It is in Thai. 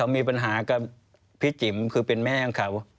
มีปัญหากับพี่จิ๋มคือเป็นแม่ของเขา